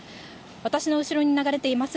私の後ろに流れています